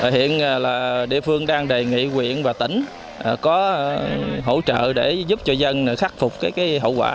hiện địa phương đang đề nghị quyện và tỉnh có hỗ trợ để giúp cho dân khắc phục hậu quả